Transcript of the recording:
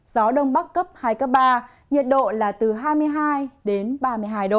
gió đông bắc cấp hai cấp ba nhiệt độ là từ hai mươi hai đến ba mươi hai độ